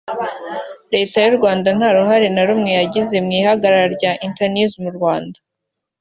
Leta y’u Rwanda nta ruhare na rumwe yagize mu ihagarara rya Internews mu Rwanda